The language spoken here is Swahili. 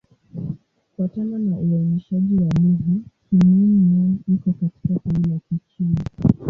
Kufuatana na uainishaji wa lugha, Kimin-Nan iko katika kundi la Kichina.